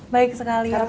baik sekali apa kabar